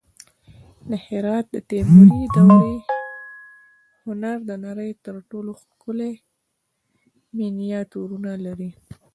د هرات د تیموري دورې هنر د نړۍ تر ټولو ښکلي مینیاتورونه لري